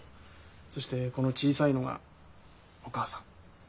そしてこの小さいのがお母さん。